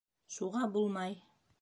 Шуға булмай.